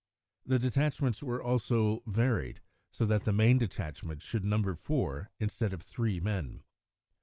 The detachments were also varied, so that the main detachment should number four instead of three men.